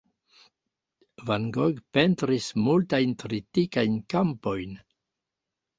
Van Gogh pentris multajn tritikajn kampojn.